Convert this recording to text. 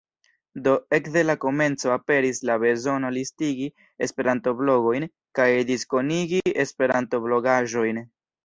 Do ekde la komenco aperis la bezono listigi esperanto-blogojn kaj diskonigi esperanto-blogaĵojn.